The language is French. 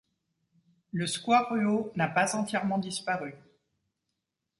Le square Ruault n’a pas entièrement disparu.